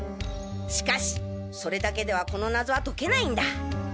しかしそれだけではこの謎は解けないんだ！